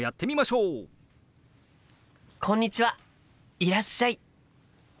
いらっしゃい。